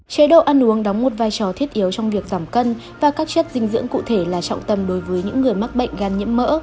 chế độ ăn uống đóng một vai trò thiết yếu trong việc giảm cân và các chất dinh dưỡng cụ thể là trọng tâm đối với những người mắc bệnh gan nhiễm mỡ